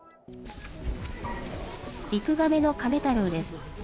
リクガメのカメ太郎です。